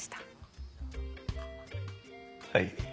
はい。